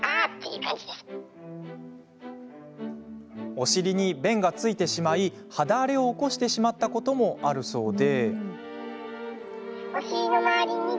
お尻に便がついてしまい肌荒れを起こしてしまったこともあるそうで。